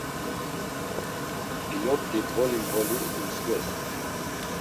Pilot̆i mboli mboli imskves.